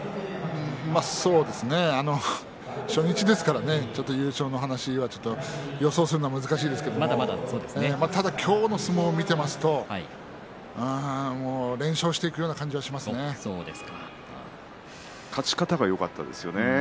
そうですね初日ですからねちょっと優勝の話は予想するのは難しいんですけどただ、今日の相撲を見てますと連勝していくような感じが勝ち方がよかったですよね。